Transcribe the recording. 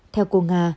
theo cô nga